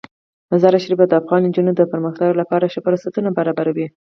مزارشریف د افغان نجونو د پرمختګ لپاره ښه فرصتونه برابروي.